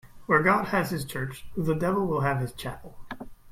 Where God has his church, the devil will have his chapel.